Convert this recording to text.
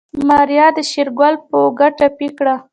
ماريا د شېرګل په اوږه ټپي کړه.